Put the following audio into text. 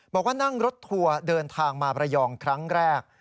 บอกว่านั่งรถทัวร์เดินทางมาประยองครั้งแรก